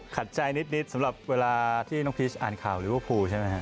ขัดใจนิดสำหรับเวลาที่น้องพีชอ่านข่าวเรียวภูใช่มั้ยครับ